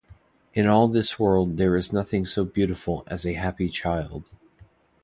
In all this world there is nothing so beautiful as a happy child.